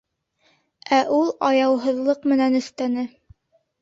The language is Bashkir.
Ә ул аяуһыҙлыҡ менән өҫтәне: